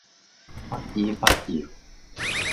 不依不饒